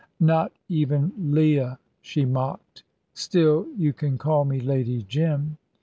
"Not even Leah," she mocked. "Still, you can call me Lady Jim."